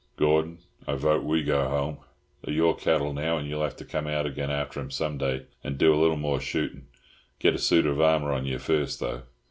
Gordon, I vote we go home. They're your cattle now, and you'll have to come out again after 'em some day, and do a little more shootin'. Get a suit of armour on you first, though."